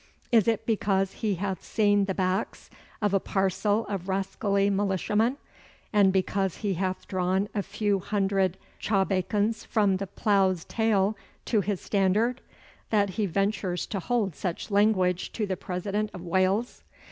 Is it because he hath seen the backs of a parcel of rascally militiamen, and because he hath drawn a few hundred chawbacons from the plough's tail to his standard, that he ventures to hold such language to the President of Wales?